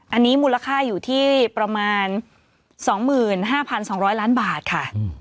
อันนี้มูลค่าอยู่ที่ประมาณ๒๕๒๐๐ล้านบาทค่ะ